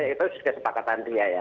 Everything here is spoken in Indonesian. itu kesepakatan dia ya